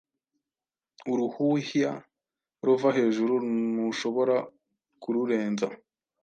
Uruhuhya ruva hejuru Ntushobora kururenza